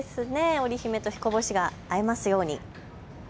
織り姫とひこ星が会えますように。